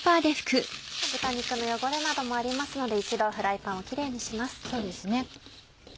豚肉の汚れなどもありますので一度フライパンをキレイにします。